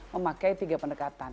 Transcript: memakai tiga pendekatan